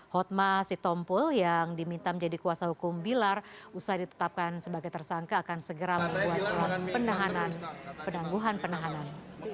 hotma sitompul yang diminta menjadi kuasa hukum bilar usai ditetapkan sebagai tersangka akan segera membuat penangguhan penahanan